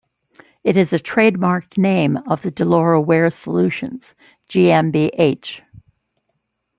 It is a trademarked name of the Deloro Wear Solutions GmbH.